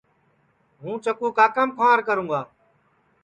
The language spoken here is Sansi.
ہوں چکُو کاکام کُھنٚار کروں گا